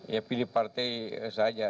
ya pilih partai saja